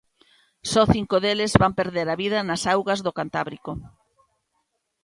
Só cinco deles van perder a vida nas augas do Cantábrico.